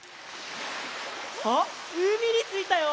あっうみについたよ！